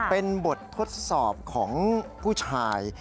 เป็นบททดสอบของผู้ชาย